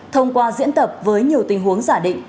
thông qua diễn tập với nhiều tình huống giả định